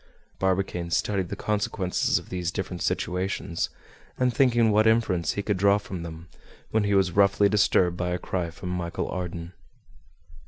Barbicane studied the consequences of these different situations, and thinking what inference he could draw from them, when he was roughly disturbed by a cry from Michel Ardan.